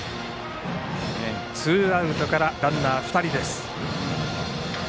ツーアウトからランナー２人です。